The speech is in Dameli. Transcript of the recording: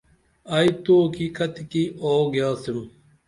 ائی توکی کتیکی اوُوگیاڅیم؟